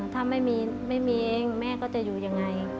ถ้าไม่มีไม่มีเองแม่ก็จะอยู่ยังไง